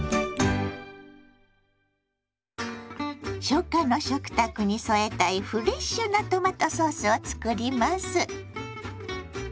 初夏の食卓に添えたいフレッシュなトマトソースを作ります。